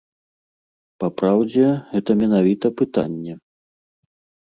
Папраўдзе, гэта менавіта пытанне.